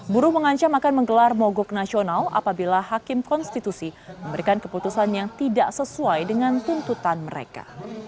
buruh mengancam akan menggelar mogok nasional apabila hakim konstitusi memberikan keputusan yang tidak sesuai dengan tuntutan mereka